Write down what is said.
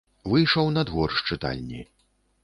Выйшаў на двор з чытальні.